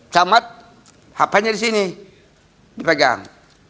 camat hapanya di sini dipegang